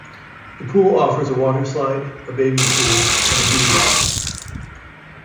The pool offers a water slide, a baby pool, and a dew drop.